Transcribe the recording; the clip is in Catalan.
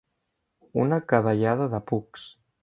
Una cadellada de pugs.